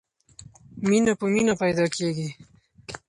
مینه په مینه پیدا کېږي.